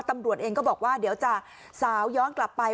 ตำรวจเองก็บอกว่าเดี๋ยวจะสาวย้อนกลับไป